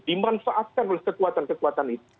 dimanfaatkan oleh kekuatan kekuatan itu